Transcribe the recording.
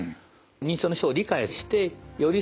認知症の人を理解して寄り添うと。